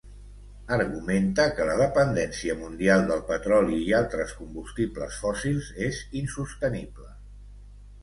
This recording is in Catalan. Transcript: Argumenta que la dependència mundial del petroli i altres combustibles fòssils és insostenible